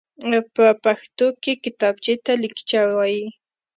په پښتو کې کتابچېته ليکچه وايي.